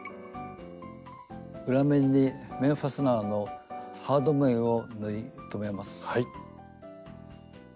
裏面に面ファスナーのハード面を縫い留めます。